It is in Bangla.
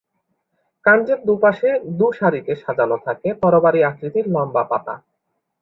কান্ডের দুপাশে দু সারিতে সাজানো থাকে তরবারি আকৃতির লম্বা পাতা।